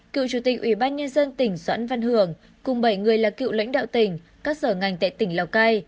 cựu chủ tịch ủy ban nhân dân tỉnh doãn văn hưởng cùng bảy người là cựu lãnh đạo tỉnh các sở ngành tại tỉnh lào cai